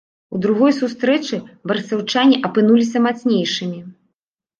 У другой сустрэчы барысаўчане апынуліся мацнейшымі.